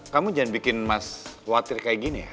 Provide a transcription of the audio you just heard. kamu jangan bikin mas khawatir kayak gini ya